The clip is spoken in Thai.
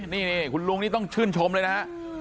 นี่คุณลุงนี่ต้องชื่นชมเลยนะฮะ